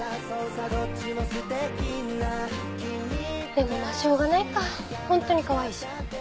でもまぁしょうがないかホントにかわいいし。